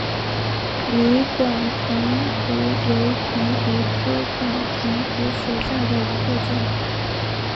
泥管藤壶为藤壶科管藤壶属下的一个种。